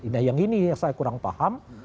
nah yang ini yang saya kurang paham